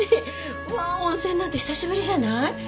うわ温泉なんて久しぶりじゃない？